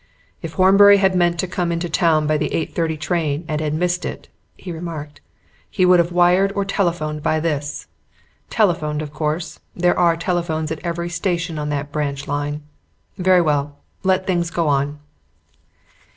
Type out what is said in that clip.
"If Horbury had meant to come into town by the 8.30 train and had missed it," he remarked, "he would have wired or telephoned by this. Telephoned, of course: there are telephones at every station on that branch line. Very well, let things go on."